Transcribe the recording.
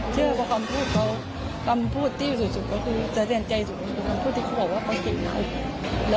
เชื่อบอกว่าคำพูดที่อยู่สุดจะแสดงใจสุดคือลองดัน